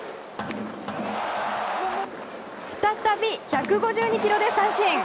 再び１５２キロで三振！